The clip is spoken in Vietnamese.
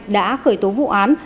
đã khởi tố vụ án